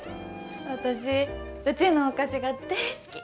私うちのお菓子が大好き。